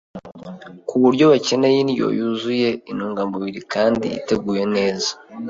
ku buryo bakeneye indyo yuzuye intungamubiri kandi iteguye neza.